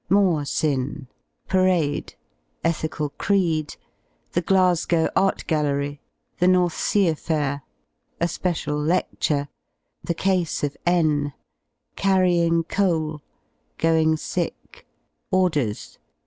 § More sin. § Parade. § Ethical creed. §The Glasgow Art Gallery. § The North Sea affair. § A special ledlure. § The case of N § Carrying coal. § Going sick! § Orders.